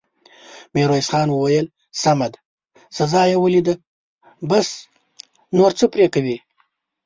ميرويس خان وويل: سمه ده، سزا يې وليده، بس، نور څه پرې کوې!